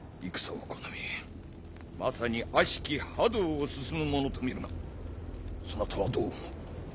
まさに悪しき覇道を進む者と見るがそなたはどう思う？